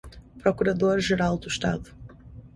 procurador-geral do Estado